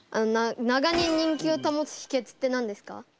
長年人気をたもつひけつって何ですか？